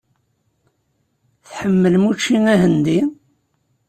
Tḥemmlem učči ahendi?